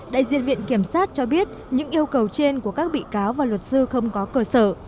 đại diện viện kiểm sát cho biết những yêu cầu trên của các bị cáo và luật sư không có cơ sở